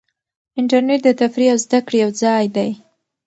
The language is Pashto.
انټرنیټ د تفریح او زده کړې یو ځای دی.